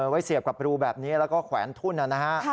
เสียบกับรูแบบนี้แล้วก็แขวนทุ่นนะฮะ